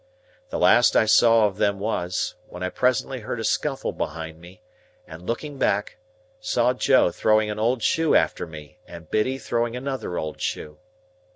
The last I saw of them was, when I presently heard a scuffle behind me, and looking back, saw Joe throwing an old shoe after me and Biddy throwing another old shoe.